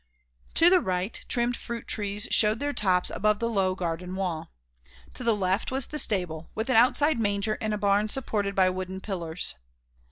To the right, trimmed fruit trees showed their tops above the low garden wall. To the left was the stable, with an outside manger and a barn supported by wooden pillars.